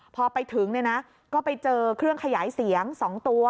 พอไปถึงเนี่ยนะก็ไปเจอเครื่องขยายเสียง๒ตัว